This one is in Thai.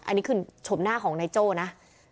อันนี้คือชมหน้าของนายโจ้นะ